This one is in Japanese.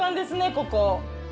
ここ。